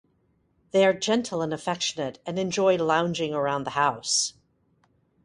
They are gentle and affectionate, and enjoy lounging around the house.